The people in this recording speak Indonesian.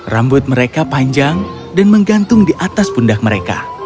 rambut mereka panjang dan menggantung di atas pundah mereka